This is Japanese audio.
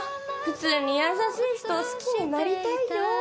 普通に優しい人を好きになりたいよ